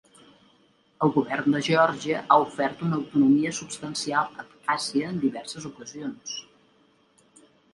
El govern de Geòrgia ha ofert una autonomia substancial a Abkhàzia en diverses ocasions.